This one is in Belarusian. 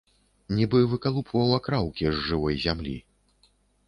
Нібы выкалупваў акраўкі з жывой зямлі.